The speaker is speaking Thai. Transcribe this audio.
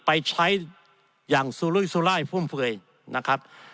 ไปใช้อย่างสุรุยสุรายฟุ่มเฟื่อยนะครับ